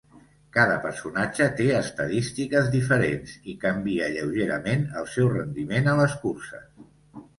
Cada personatge té estadístiques diferents, i canvia lleugerament el seu rendiment a les curses.